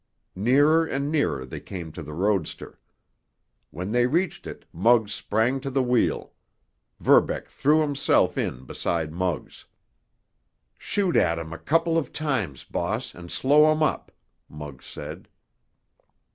Nearer and nearer they came to the roadster. When they reached it Muggs sprang to the wheel. Verbeck threw himself in beside Muggs. "Shoot at 'em a couple of times, boss, and slow 'em up," Muggs said.